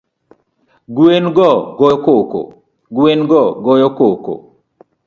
Gwen go goyo koko